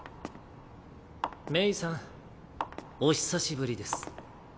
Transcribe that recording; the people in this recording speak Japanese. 冥さんお久しぶりです。